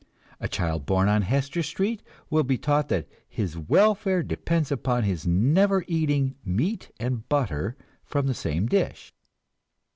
A child born on Hester Street will be taught that his welfare depends upon his never eating meat and butter from the same dish.